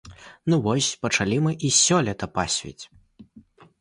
Ну вось, пачалі мы і сёлета пасвіць.